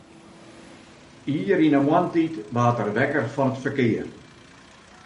Ier yn 'e moarntiid waard er wekker fan it ferkear.